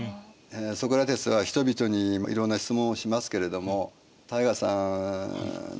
ソクラテスは人々にいろんな質問をしますけれども汰雅さんにしてみましょう。